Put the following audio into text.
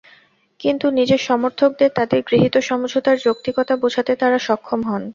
কিন্তু নিজের সমর্থকদের তাঁদের গৃহীত সমঝোতার যৌক্তিকতা বোঝাতে তাঁরা সক্ষম হন।